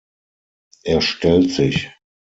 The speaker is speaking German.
Er stellt sich.